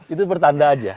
itu bertanda aja